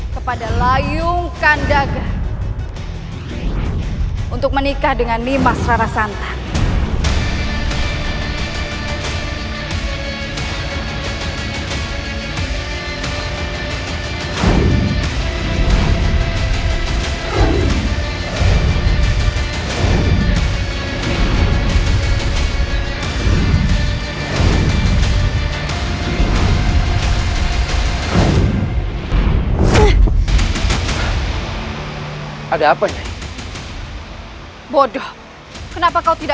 kenapa kau tidak kenal